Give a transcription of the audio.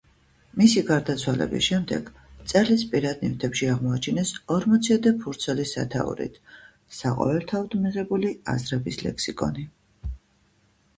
მისი გარდაცვალების შემდეგ მწერლის პირად ნივთებში აღმოაჩინეს ორმოციოდე ფურცელი სათაურით „საყოველთაოდ მიღებული აზრების ლექსიკონი“.